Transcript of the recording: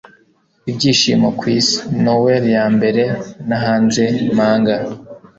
Ibyishimo ku Isi," "Noel ya mbere" na "Hanze Manger."